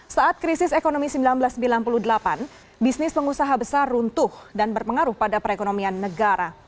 saat krisis ekonomi seribu sembilan ratus sembilan puluh delapan bisnis pengusaha besar runtuh dan berpengaruh pada perekonomian negara